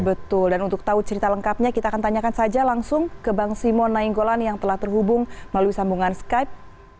betul dan untuk tahu cerita lengkapnya kita akan tanyakan saja langsung ke bang simon nainggolan yang telah terhubung melalui sambungan skype